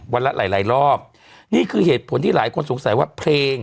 ละหลายหลายรอบนี่คือเหตุผลที่หลายคนสงสัยว่าเพลง